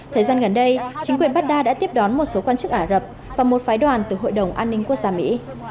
thời gian gần đây chính quyền baghdad đã tiếp đón một số quan chức ả rập và một phái đoàn từ hội đồng an ninh quốc gia mỹ